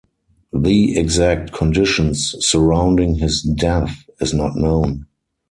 The exact conditions surrounding his death is not known.